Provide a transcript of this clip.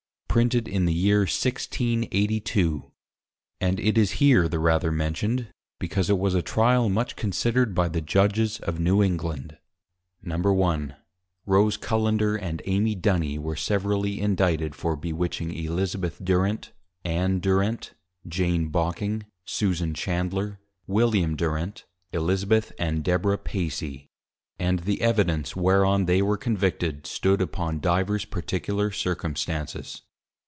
[Printed in the Year 1682.] And it is here the rather mentioned, because it was a Tryal, much considered by the Judges of New England. I. Rose Cullender and Amy Duny, were severally Indicted, for Bewitching Elizabeth Durent, Ann Durent, Jane Bocking, Susan Chandler, William Durent, Elizabeth and Deborah Pacy. And the Evidence whereon they were Convicted, stood upon divers particular Circumstances.